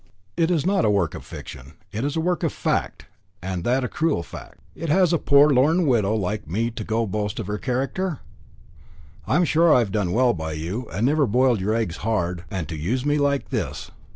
"It is not a work of fiction, it is a work of fact, and that a cruel fact. What has a poor lorn widow like me got to boast of but her character? I'm sure I've done well by you, and never boiled your eggs hard and to use me like this."